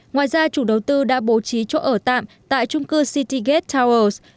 ngoài ra chủ đầu tư đã bố trí chỗ ở tạm tại trung cư city gate towers